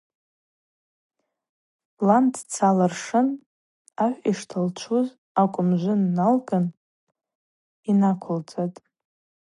Лан цца лыршын агӏв йшталчвуз акӏвымжвы налгын йнаквылцӏатӏ.